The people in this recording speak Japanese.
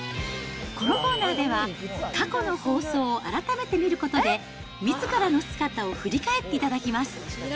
このコーナーでは、過去の放送を改めて見ることで、みずからの姿を振り返っていただきます。